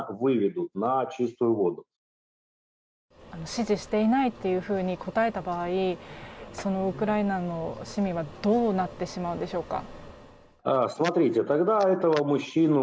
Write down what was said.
支持していないと答えた場合ウクライナの市民はどうなってしまうんでしょうか。